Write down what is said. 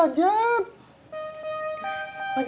itu namanya fitnah a'a